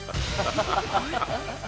ハハハハ。